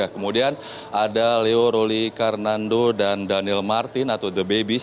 kemudian ada leo roli karnando dan daniel martin atau the babys